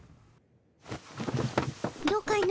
どうかの？